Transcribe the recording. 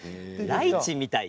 ライチみたい。